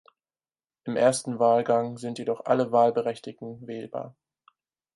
Im ersten Wahlgang sind jedoch alle Wahlberechtigten wählbar.